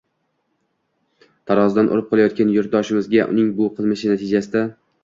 Tarozidan urib qolayotgan yurtdoshimizga uning bu qilmishi natijasida